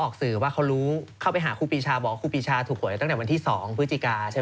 แล้วคุณก็ตั้งก้าวประเด็นอะไรล่าสุดของคุณด้วยใช่ไหม